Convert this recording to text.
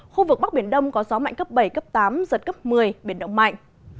khu vực bắc biển đông có gió mạnh cấp bảy cấp tám giật cấp một mươi biển động mạnh